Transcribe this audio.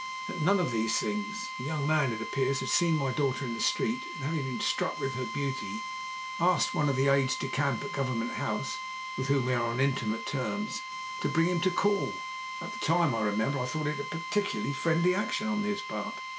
"At none of these things. The young man, it appears, had seen my daughter in the street, and having been struck with her beauty asked one of the aides de camp at Government House, with whom we are on intimate terms, to bring him to call. At the time, I remember, I thought it a particularly friendly action on his part."